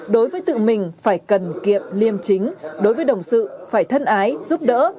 đối với tự mình phải cần kiệm liêm chính đối với đồng sự phải thân ái giúp đỡ